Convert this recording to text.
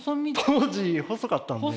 当時細かったんで。